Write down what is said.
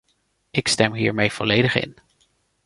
Ik stem hiermee volledig in.